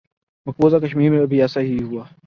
مقبوضہ کشمیر میں بھی ایسا ہی ہوا۔